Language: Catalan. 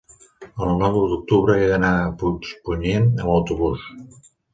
El nou d'octubre he d'anar a Puigpunyent amb autobús.